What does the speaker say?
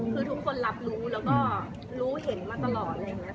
คือทุกคนรับรู้แล้วก็รู้เห็นมาตลอดอะไรอย่างนี้